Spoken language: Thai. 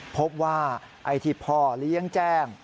พบว่าไอ้ที่พ่อเลี้ยงแจ้ง